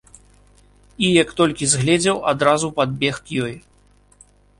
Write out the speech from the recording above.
І, як толькі згледзеў, адразу падбег к ёй.